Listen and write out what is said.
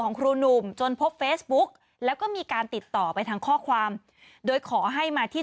ครูหนุ่มจนพบเฟซบุ๊กแล้วก็มีการติดต่อไปทางข้อความโดยขอให้มาที่